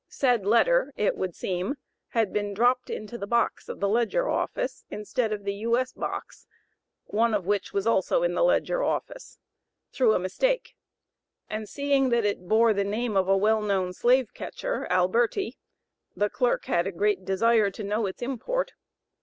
Said letter it would seem, had been dropped into the box of the Ledger office, instead of the U.S. box (one of which, was also in the Ledger office), through a mistake, and seeing that it bore the name of a well known slave catcher, Alberti, the clerk had a great desire to know its import.